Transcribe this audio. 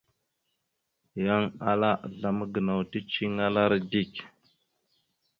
Yan ala azlam gənaw ticeliŋalara dik.